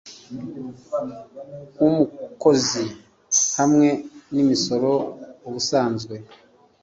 w umukozi hamwe n imisoro Ubusanzwe